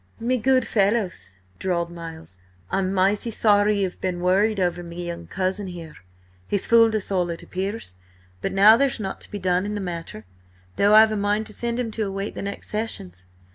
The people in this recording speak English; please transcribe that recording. "Me good fellows," drawled Miles, "I'm mighty sorry ye've been worried over me young cousin here. He's fooled us all it appears, but now there's nought to be done in the matter, though I've a mind to send him to await the next sessions!"